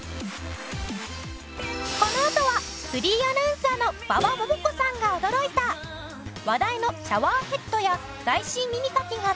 このあとはフリーアナウンサーの馬場ももこさんが驚いた話題のシャワーヘッドや最新耳かきが登場！